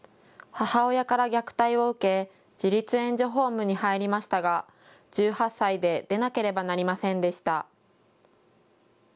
母親から虐待を受け自立援助ホームに入りましたが１８歳で出なければなりませんでした。